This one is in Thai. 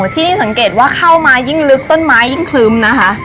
ที่นี่สังเกตว่าเข้ามายิ่งลึกต้นไม้ยิ่งคลึ้มนะคะ